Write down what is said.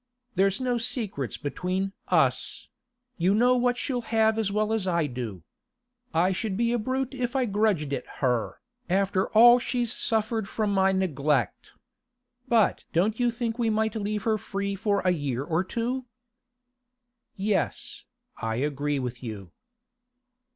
There's no secrets between us; you know what she'll have as well as I do. I should be a brute if I grudged it her, after all she's suffered from my neglect. But don't you think we might leave her free for a year or two?' 'Yes, I agree with you.